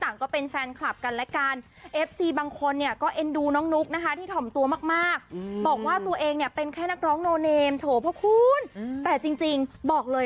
น้องนุ๊กเนี่ยก็ดังสุดแต่ที่พี่แจ๊กบอกเลย